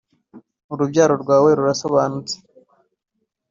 urubyaro rwawe rurasobanutse.